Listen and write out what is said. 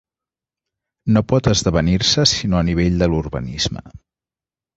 No pot esdevenir-se sinó a nivell de l'urbanisme.